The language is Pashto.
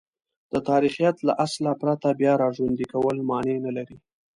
د تاریخیت له اصله پرته بیاراژوندی کول مانع نه لري.